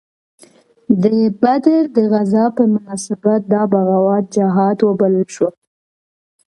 د بدر د غزا په مناسبت دا بغاوت جهاد وبلل شو.